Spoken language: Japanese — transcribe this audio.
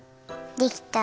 できた。